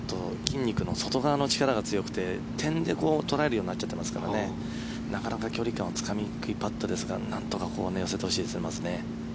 筋肉の外側の力が強くて点で捉えるようになっちゃっているのでなかなか距離感がつかみにくいパットですがなんとか寄せてほしいですね。